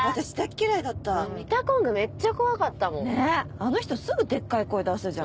あの人すぐデッカい声出すじゃん。